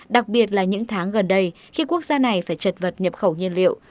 đặc biệt là những tháng gần đây khi quốc gia này phải chật vật nhập khẩu nhiên liệu